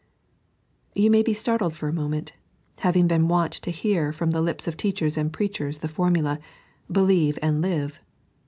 You may be startled for a moment, having been wont to hear from the lips of teachers and preachers the formula, Believe and live.